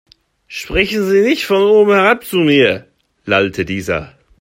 Sprechen Sie nicht von oben herab zu mir, lallte dieser.